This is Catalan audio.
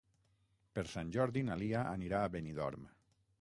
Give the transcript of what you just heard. Per Sant Jordi na Lia anirà a Benidorm.